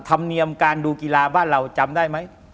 ธรรมเนียมการดูกีฬาบ้านเราจำได้ไหม